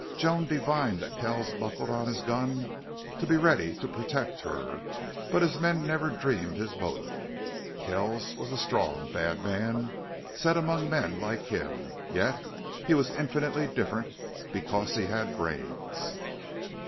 Joan divined that Kells buckled on his gun to be ready to protect her. But his men never dreamed his motive. Kells was a strong, bad man set among men like him, yet he was infinitely different because he had brains.